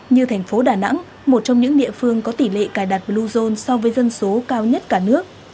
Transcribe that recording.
như thành phố đà nẵng một trong những địa phương có tỷ lệ cài đặt bluezone so với dân số cao nhất cả nước